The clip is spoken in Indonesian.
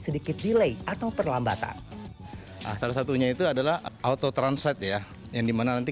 sedikit delay atau perlambatan salah satunya itu adalah auto translate ya yang dimana nanti